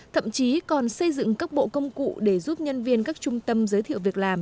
thậm chí còn xây dựng các bộ công cụ để giúp nhân viên các trung tâm giới thiệu việc làm